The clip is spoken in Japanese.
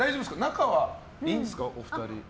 仲はいいんですか、お二人。